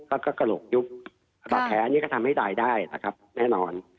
ก็กระหลกยุบแล้วแพ้อันนี้ก็ให้ตายได้ครับแน่นอน